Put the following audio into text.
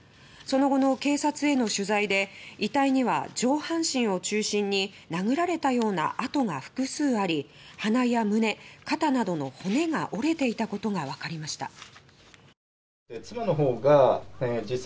その後の警察への取材で遺体には上半身を中心に殴られたような痕が複数あり鼻や胸、肩などの骨が折れていたことがわかりました。